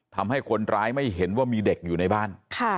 ทำให้คนร้ายไม่เห็นว่ามีเด็กอยู่ในบ้าน